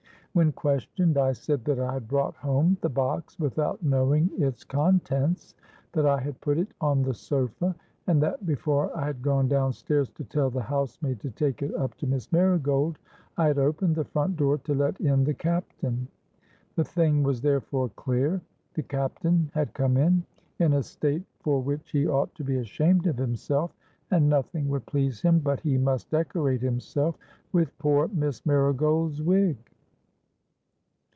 When questioned, I said that I had brought home the box without knowing its contents; that I had put it on the sofa; and that before I had gone down stairs to tell the housemaid to take it up to Miss Marigold, I had opened the front door to let in the Captain. The thing was therefore clear:—the Captain had come in, in a state for which he ought to be ashamed of himself; and nothing would please him but he must decorate himself with poor Miss Marigold's wig!